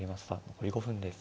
残り５分です。